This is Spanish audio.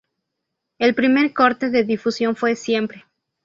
El primer corte de difusión fue "Siempre".